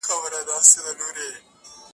• پوښتني لا هم ژوندۍ پاتې کيږي تل..